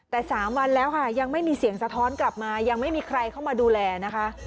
แต่๓วันแล้วค่ะยังไม่มีเสียงสะท้อนกลับมายังไม่มีใครเข้ามาดูแลนะคะ